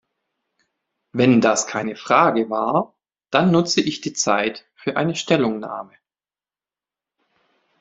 Wenn das keine Frage war, dann nutze ich die Zeit für eine Stellungnahme.